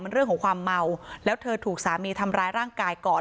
เรื่องของความเมาแล้วเธอถูกสามีทำร้ายร่างกายก่อน